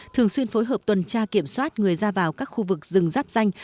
thường xuyên phối hợp tuần tra kiểm soát người ra vào các khu vực rừng ráp danh